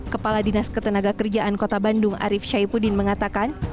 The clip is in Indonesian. kepala dinas ketenaga kerjaan kota bandung arief syaipudin mengatakan